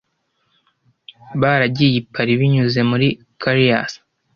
Baragiye i Paris banyuze muri Calais.